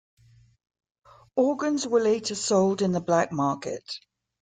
Organs were later sold in the black market.